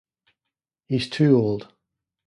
He's too old.